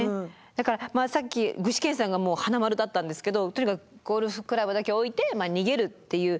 だからさっき具志堅さんが花丸だったんですけどとにかくゴルフクラブだけ置いて逃げるっていう。